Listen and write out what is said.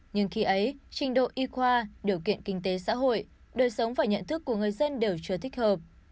nhưng khi ấy trình độ y khoa điều kiện kinh tế xã hội đời sống và nhận thức của người dân đều chưa thích hợp